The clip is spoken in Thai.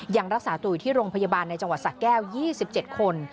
ยังรักษาตัวอยู่ที่โรงพยาบาลในจังหวัดสะแก้ว๒๗คน